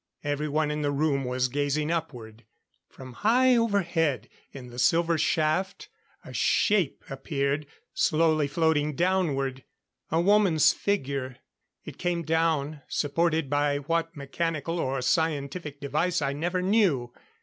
Everyone in the room was gazing upward. From high overhead in the silver shaft a shape appeared, slowly floating downward. A woman's figure. It came down, supported by what mechanical or scientific device I never knew.